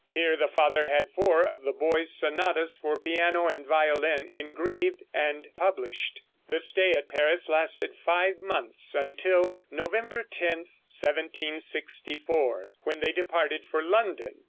Here the father had four of the boy's sonatas for piano and violin engraved and published. The stay at Paris lasted five months, until November 10, 1764, when they departed for London.